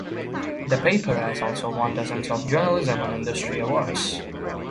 The paper has also won dozens of journalism and industry awards.